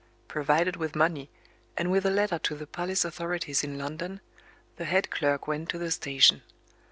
Provided with money, and with a letter to the police authorities in London, the head clerk went to the station.